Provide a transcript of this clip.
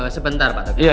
sebentar pak tarno